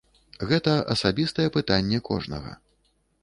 Гэта асабістае пытанне кожнага.